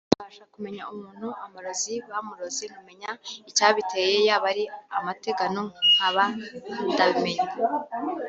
Mbasha kumenya umuntu amarozi bamuroze nkamenya icyabiteye yaba ari amategano nkaba ndabimenye